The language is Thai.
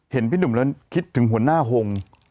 เห็นพี่ดุ่มเริ่มคิดถึงหัวหน้าโฮง